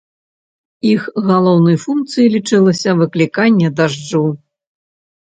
Іх галоўнай функцыяй лічылася выкліканне дажджу.